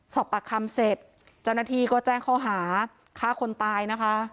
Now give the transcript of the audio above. สอบปากคำเสร็จเจ้าหน้าที่ก็แจ้งข้อหาฆ่าคนตายนะคะ